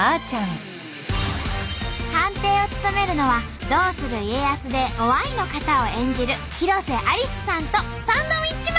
判定を務めるのは「どうする家康」で於愛の方を演じる広瀬アリスさんとサンドウィッチマン。